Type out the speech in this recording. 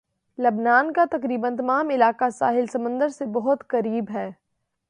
لبنان کا تقریباً تمام علاقہ ساحل سمندر سے بہت قریب ہے